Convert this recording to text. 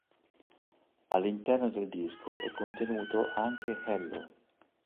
All'interno del disco è contenuto anche "Hello!